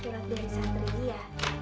surat den satria